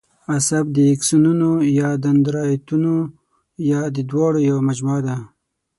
عصب د آکسونونو یا دندرایتونو یا د دواړو یوه مجموعه ده.